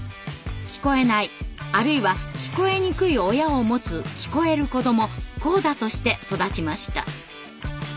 聞こえないあるいは聞こえにくい親を持つ聞こえる子ども「コーダ」として育ちました。